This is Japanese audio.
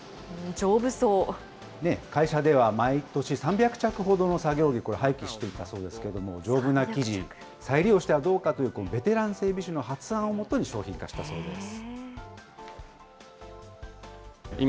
会社では毎年３００着ほどの作業着、廃棄していたそうですけれども、丈夫な生地、再利用してはどうかという、ベテラン整備士の発案をもとに商品化したそうです。